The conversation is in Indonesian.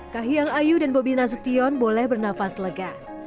kahiyang ayu dan bobi nasution boleh bernafas lega